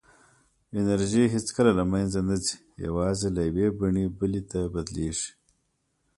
انرژي هېڅکله له منځه نه ځي، یوازې له یوې بڼې بلې ته بدلېږي.